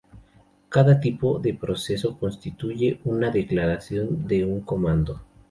Cada tipo de procesos constituye una declaración de un comando.